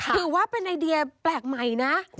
ถือว่าเป็นไอเดียแปลกใหม่นะ